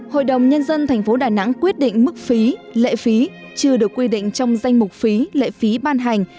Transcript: hội đồng nhân dân tp đà nẵng quyết định mức phí lệ phí chưa được quy định trong danh mục phí lệ phí ban hành